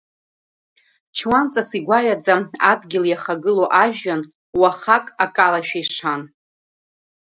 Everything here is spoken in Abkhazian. Чуанҵас игәаҩаӡа адгьыл иахагылоу ажәҩан, уахак акалашәа ишан.